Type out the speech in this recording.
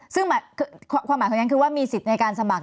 ซึ่งความหมายของฉันคือว่ามีสิทธิ์ในการสมัคร